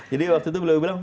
jadi waktu itu beliau bilang